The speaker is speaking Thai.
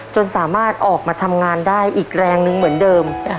จนสามารถออกมาทำงานได้อีกแรงนึงเหมือนเดิม